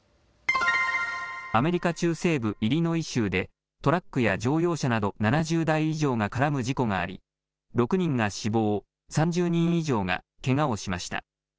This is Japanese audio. アメリカ中西部イリノイ州でトラックや乗用車など７０台以上が絡む事故があり６人が死亡、３０人以上がけがをしました。